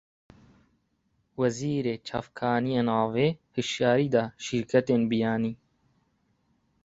Wezîrê çavkaniyên avê, hişyarî da şîrketên biyanî